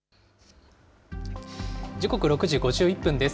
時刻６時５１分です。